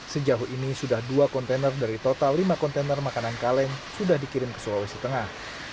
sejauh ini sudah dua kontainer dari total lima kontainer makanan kaleng sudah dikirim ke sulawesi tengah